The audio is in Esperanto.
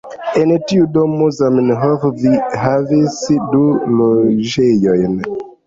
En tiu domo Zamenhof havis du loĝejojn.